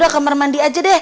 kamar mandi saja